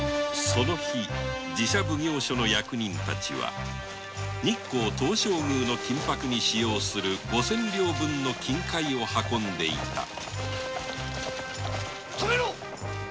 その日寺社奉行所の役人たちは日光東照宮の金箔に使用する五千両分の金塊を運んでいた止めろ！